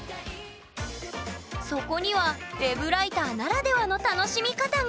そこにはＷｅｂライターならではの楽しみ方が！